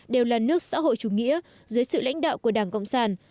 đều là nước xã hội chủ nghĩa dưới sự lãnh đạo của đảng cộng sản